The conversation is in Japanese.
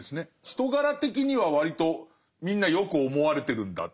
人柄的には割とみんなよく思われてるんだ。